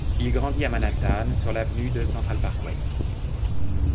Il grandit à Manhattan sur l'avenue de Central Park West.